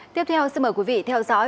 tiếp theo xin mời quý vị theo dõi